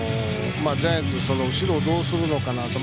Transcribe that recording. ジャイアンツは後ろをどうするのかなって。